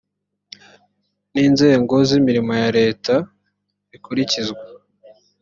n inzego z imirimo ya leta rikurikizwa